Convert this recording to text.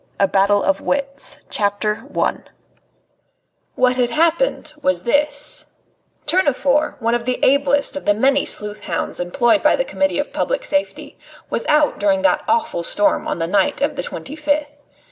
XI A BATTLE OF WITS What had happened was this: Tournefort, one of the ablest of the many sleuth hounds employed by the Committee of Public Safety, was out during that awful storm on the night of the twenty fifth.